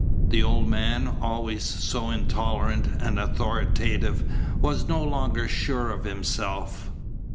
The old man, always so intolerant and authoritative, was no longer sure of himself.